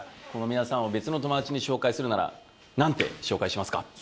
この皆さんを別の友達に紹介するなら何て紹介しますか？